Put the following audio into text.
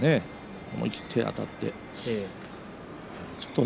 思い切ってあたってね。